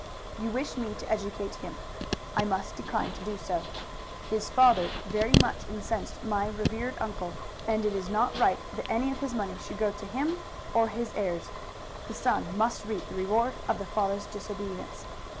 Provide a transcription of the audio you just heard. You wish me to educate him. I must decline to do so. His father very much incensed my revered uncle, and it is not right that any of his money should go to him or his heirs. The son must reap the reward of the father's disobedience.